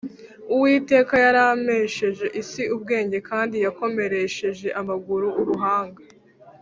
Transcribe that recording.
uwiteka yaremesheje isi ubwenge, kandi yakomeresheje amajuru ubuhanga